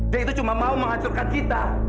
dia itu cuma mau menghancurkan kita